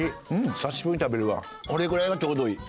久しぶりに食べるわこれぐらいがちょうどいい。